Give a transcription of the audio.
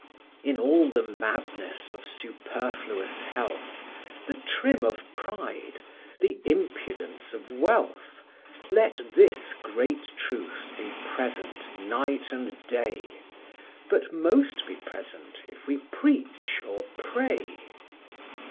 In all the madness of superfluous health, The trim of pride, the impudence of wealth, Let this great truth be present night and day; But most be present, if we preach or pray.